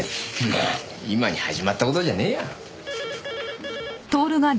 何今に始まった事じゃねえよ。